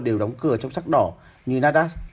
đều đóng cửa trong sắc đỏ như nadas